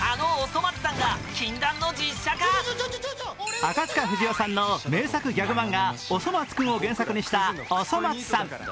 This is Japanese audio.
赤塚不二夫さんの名作ギャグ漫画、「おそ松くん」を原作とした「おそ松さん」。